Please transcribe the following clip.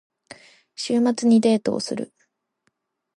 週末にデートをする。